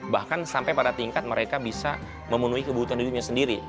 bahkan sampai pada tingkat mereka bisa memenuhi kebutuhan dirinya sendiri